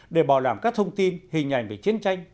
để bảo đảm các thông tin hình ảnh về chiến tranh